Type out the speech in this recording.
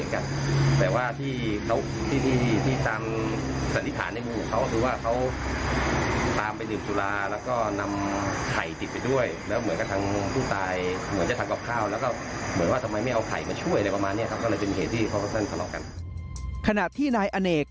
ขณะที่นายอเนก